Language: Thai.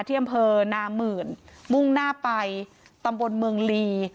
ที่อำเภอนามื่นมุ่งหน้าไปตำบลเมืองลี